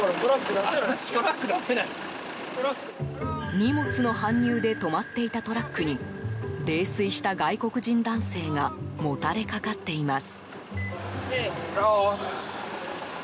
荷物の搬入で止まっていたトラックに泥酔した外国人男性がもたれかかっています。